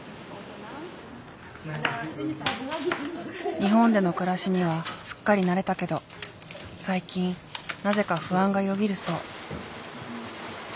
日本での暮らしにはすっかり慣れたけど最近なぜか不安がよぎるそう。